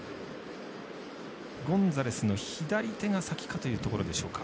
ゴンザレスの左手が先かというところでしょうか。